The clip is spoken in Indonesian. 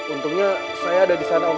untungnya saya ada di sana om